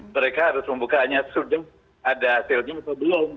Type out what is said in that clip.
mereka harus membukanya sudah ada hasilnya atau belum